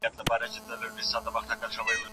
لا هم د نړۍ لوستونکي د هغه کیسې لولي.